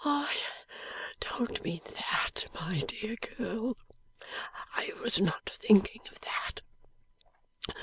'I don't mean that, my dear girl. I was not thinking of that.